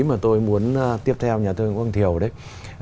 mà tôi muốn tiếp theo nhà thơ nguyễn quang thiều đấy